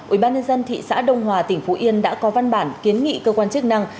ubnd thị xã đông hòa tỉnh phú yên đã có văn bản kiến nghị cơ quan chức năng